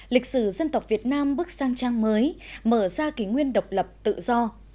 lịch sử dân tộc việt nam bước sang trang mới mở ra kỷ nguyên độc lập tự do